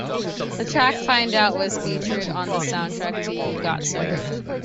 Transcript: The track "Find Out" was featured on the soundtrack to "You Got Served".